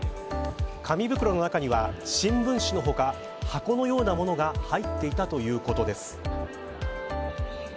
紙袋の中には新聞紙の他箱のようなものが入っていたということです。